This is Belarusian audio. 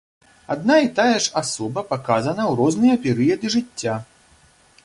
Адна і тая ж асоба паказана ў розныя перыяды жыцця.